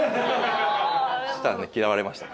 そしたらね嫌われました。